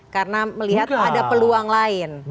karena melihat ada peluang lain